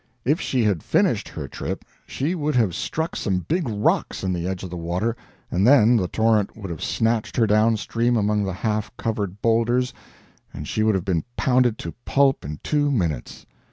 If she had finished her trip she would have struck some big rocks in the edge of the water, and then the torrent would have snatched her downstream among the half covered boulders and she would have been pounded to pulp in two minutes.